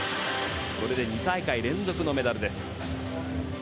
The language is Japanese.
これで２大会連続のメダルです。